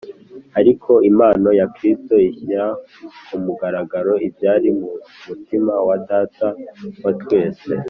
. Ariko impano ya Kristo ishyira ku mugaragaro ibyari mu mutima wa Data wa twese